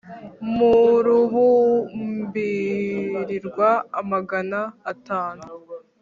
mu rubumbirirwa amagana atanu.